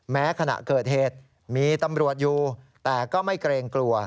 ขณะเกิดเหตุมีตำรวจอยู่แต่ก็ไม่เกรงกลัว